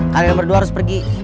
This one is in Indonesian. kalian berdua harus pergi